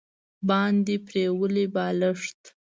باندې پریولي بالښت